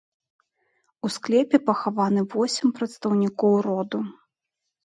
У склепе пахаваны восем прадстаўнікоў роду.